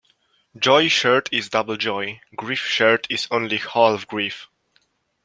Joy shared is double joy; grief shared is only half grief.